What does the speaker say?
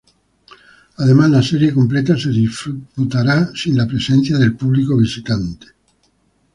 Además, la serie completa se disputará sin la presencia del público visitante.